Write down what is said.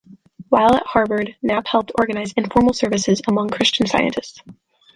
While at Harvard, Knapp helped organize informal services among Christian Scientists.